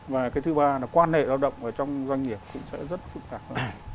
và cái thứ ba là quan hệ lao động trong doanh nghiệp cũng sẽ rất phức tạp